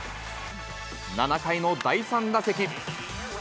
７回の第３打席。